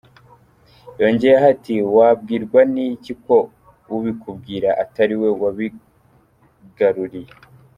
Yongeyeho ati : “Wabwirwa n’iki ko ubikubwira atari we wabigaruriye ?”.